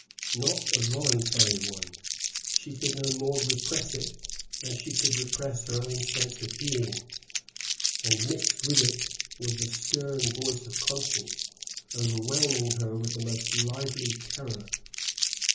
Not a voluntary one; she could no more repress it than she could repress her own sense of being; and, mixed with it, was the stern voice of conscience, overwhelming her with the most lively terror.